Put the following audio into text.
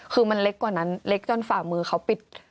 คือมันเล็กกว่านั้นเล็กจนฝ่ามือเขาปิด